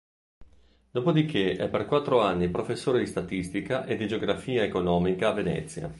Dopodiché è per quattro anni professore di statistica e di geografia economica a Venezia.